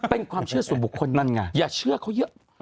เป็นความเชื่อส่วนบุคคลนั่นไงอย่าเชื่อเขาเยอะ